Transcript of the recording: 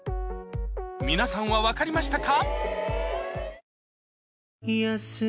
皆さんは分かりましたか？